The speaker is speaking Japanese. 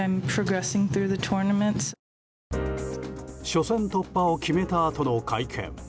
初戦突破を決めたあとの会見。